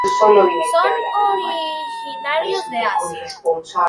Son originarios de Asia.